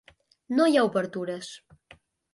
No hi ha obertures.